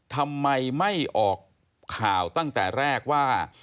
ทำไมไม่ออกข่าวตั้งแต่แรกว่า